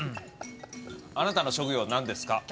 あなたの職業何ですか？